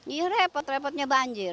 iya repot repotnya banjir